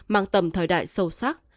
mang tầm thời đại sâu sắc